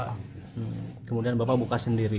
kemudian bapak buka sendiri